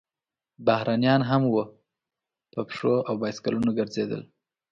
بهرنیان هم وو، په پښو او بایسکلونو ګرځېدل.